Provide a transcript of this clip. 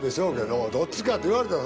どっちかって言われたら。